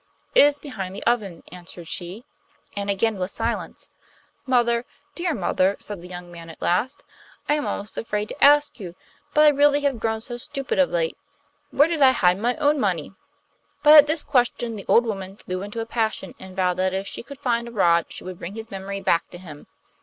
'It is behind the oven,' answered she. And again was silence. 'Mother, dear mother,' said the young man at last, 'I am almost afraid to ask you; but I really have grown so stupid of late. Where did I hide my own money?' But at this question the old woman flew into a passion, and vowed that if she could find a rod she would bring his memory back to him.